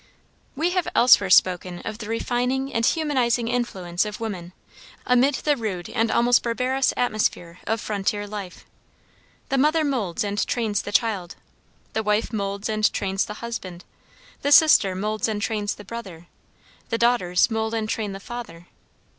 We have elsewhere spoken of the refining and humanizing influence of woman, amid the rude and almost barbarous atmosphere of frontier life. The mother moulds and trains the child, the wife moulds and trains the husband, the sister moulds and trains the brother, the daughters mould and train the father.